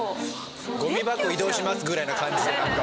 ゴミ箱移動しますぐらいな感じでなんか。